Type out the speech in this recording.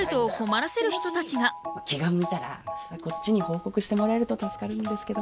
気が向いたらこっちに報告してもらえると助かるんですけど。